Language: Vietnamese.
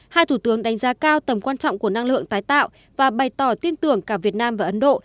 hai thủ tướng đánh giá cao tầm quan trọng của năng lượng tái tạo và bày tỏ tin tưởng cả việt nam và ấn độ